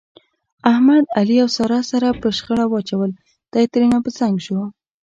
احمد، علي او ساره سره په شخړه واچول، دی ترېنه په څنګ شو.